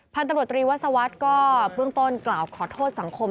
พันธ์ตำรวจรีวสวรรค์ก็เพิ่งต้นกล่าวขอโทษสังคม